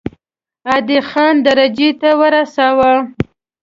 عادي خان درجې ته ورساوه.